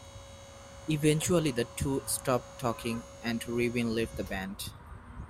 Eventually, the two stopped talking, and Rybin left the band.